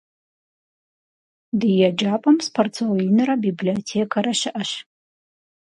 Ди еджапӀэм спортзал инрэ библиотекэрэ щыӀэщ.